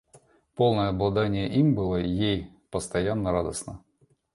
Полное обладание им было ей постоянно радостно.